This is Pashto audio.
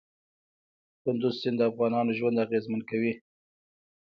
کندز سیند د افغانانو ژوند اغېزمن کوي.